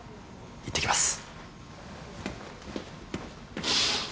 いってきます。